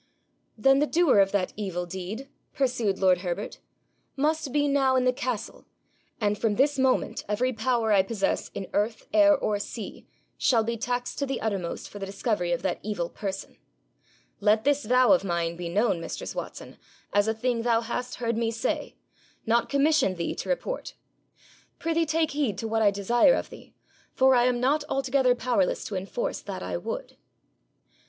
'Then the doer of that evil deed,' pursued lord Herbert, 'must be now in the castle, and from this moment every power I possess in earth, air, or sea, shall be taxed to the uttermost for the discovery of that evil person. Let this vow of mine be known, mistress Watson, as a thing thou hast heard me say, not commission thee to report. Prithee take heed to what I desire of thee, for I am not altogether powerless to enforce that I would.'